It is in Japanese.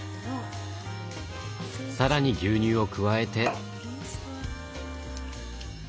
更に牛乳を加えて。